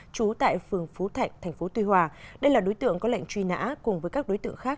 trú tại phường phú thạnh tp tuy hòa đây là đối tượng có lệnh truy nã cùng với các đối tượng khác